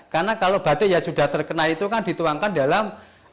karena kalau batik yang sudah terkena itu kan dituangkan dalam